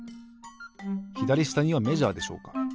ひだりしたにはメジャーでしょうか。